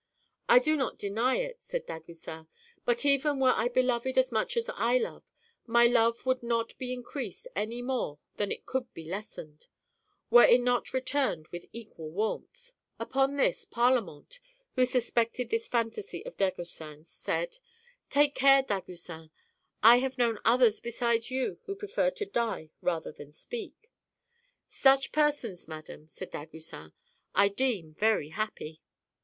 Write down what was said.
"I do not deny it," said Dagoucin, "but even were I beloved as much as I love, my love would not be increased any more than it could be lessened, were it not returned with equal warmth," Upon this Parlamente, who suspected this fantasy of Dagoucin's, said " Take care, Dagoucin ; I have known others be sides you who preferred to die rather than speak." " Such persons, madam," said Dagoucin, " I deem very happy."